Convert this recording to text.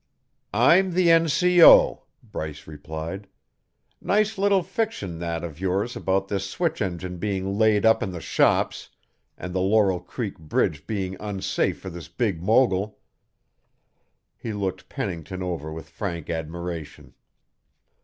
"I'm the N.C.O.," Bryce replied. "Nice little fiction that of yours about the switch engine being laid up in the shops and the Laurel Creek bridge being unsafe for this big mogul." He looked Pennington over with frank admiration.